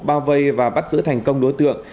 bao vây và bắt giữ thành công đối tượng